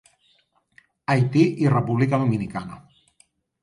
Haití i República Dominicana.